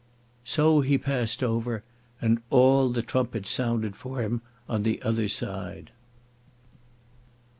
'_ _"So he passed over, and all the trumpets sounded for him on the other side."